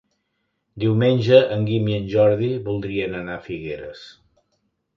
Diumenge en Guim i en Jordi voldrien anar a Figueres.